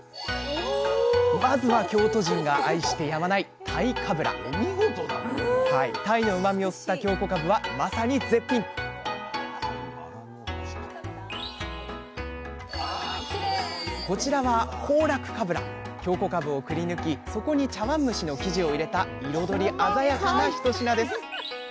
まずは京都人が愛してやまない鯛のうまみを吸った京こかぶはまさに絶品こちらは京こかぶをくりぬきそこに茶わん蒸しの生地を入れた彩り鮮やかな一品です。